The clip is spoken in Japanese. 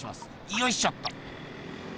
よいしょっと。